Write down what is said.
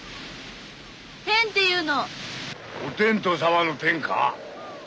お天道様の天か？